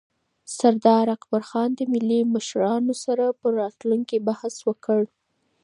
سردار اکبرخان د ملي مشرانو سره پر راتلونکي بحث وکړ.